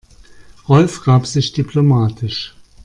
Rolf gab sich diplomatisch.